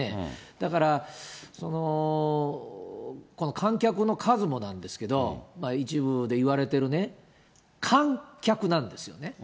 だから、この観客の数もなんですけど、一部でいわれてるね、観客なんですよね。